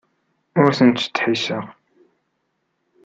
Ur tent-ttdeḥḥiseɣ.